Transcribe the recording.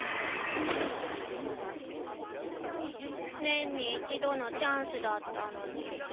年に一度のチャンスだったのに。